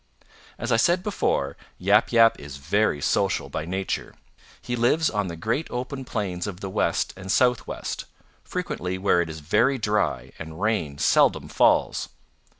"As I said before, Yap Yap is very social by nature. He lives on the great open plains of the West and Southwest, frequently where it is very dry and rain seldom falls.